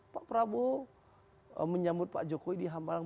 pak prabowo menyambut pak jokowi di hambalang